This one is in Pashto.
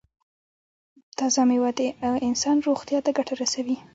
تازه میوه د انسان روغتیا ته ګټه رسوي.